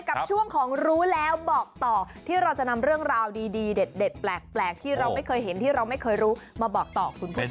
กับช่วงของรู้แล้วบอกต่อที่เราจะนำเรื่องราวดีเด็ดแปลกที่เราไม่เคยเห็นที่เราไม่เคยรู้มาบอกต่อคุณผู้ชม